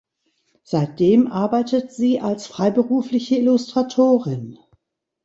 Seitdem arbeitet sie als freiberufliche Illustratorin.